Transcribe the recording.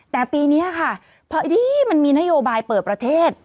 แต่ปีนี้ค่ะพอดีมันมีนโยบายเปิดประเทศ